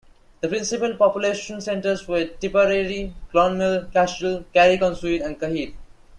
The principle population centres were Tipperary, Clonmel, Cashel, Carrick-on-Suir and Cahir.